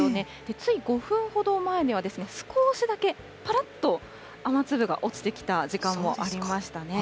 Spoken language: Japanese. つい５分ほど前には、少しだけぱらっと雨粒が落ちてきた時間もありましたね。